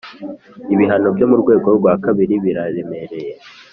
ibihano byo mu rwego rwa kabiri biraremereye.